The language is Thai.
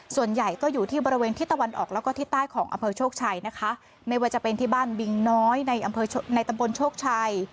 ส่วนใหญ่ก็อยู่ที่บริเวณที่ตะวันออกแล้วก็ที่ใต้ของอำเภอโชคชัยนะคะไม่ว่าจะเป็นที่บ้านบิงน้อยในอำเภอในตำบลโชคชัย